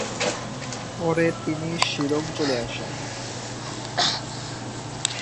পরে তিনি শিলং চলে আসেন।